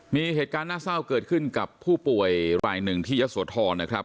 มีเหตุการณ์น่าเศร้าเกิดขึ้นกับผู้ป่วยรายหนึ่งที่ยะโสธรนะครับ